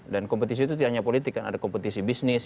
dan kompetisi itu tidak hanya politik kan ada kompetisi bisnis